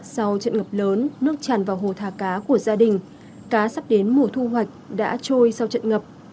sau trận ngập lớn nước tràn vào hồ thả cá của gia đình cá sắp đến mùa thu hoạch đã trôi sau trận ngập